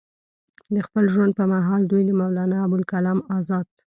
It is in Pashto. د خپل ژوند پۀ محال دوي د مولانا ابوالکلام ازاد